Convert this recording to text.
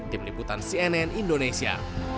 tim liputan cnn indonesia